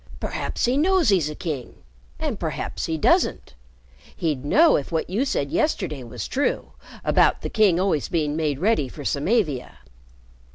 "Perhaps he knows he's a king, and perhaps he doesn't. He'd know if what you said yesterday was true about the king always being made ready for Samavia."